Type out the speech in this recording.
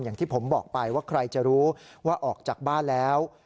อย่างที่ผมบอกไปว่าใครจะรู้ว่าออกจากบ้านแล้ว